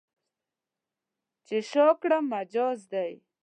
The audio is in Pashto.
چې شا کړم، مجاز دی.